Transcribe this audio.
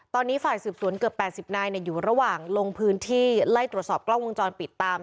ตอนนี้ฝ่ายสืบสวนเกือบ๘๐นายอยู่ระหว่างลงพื้นที่ไล่ตรวจสอบกล้องวงจรปิดตาม